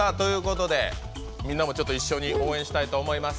みんなもちょっと一緒に応援したいと思います。